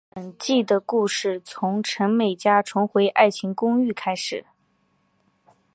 本季的故事从陈美嘉重回爱情公寓开始。